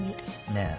ねえ。